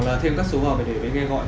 hoặc là thêm các số vào để nghe gọi